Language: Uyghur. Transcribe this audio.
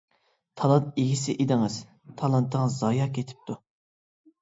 تالانت ئىگىسى ئىدىڭىز، تالانتىڭىز زايە كېتىپتۇ.